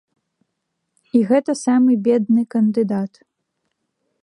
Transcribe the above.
І гэта самы бедны кандыдат.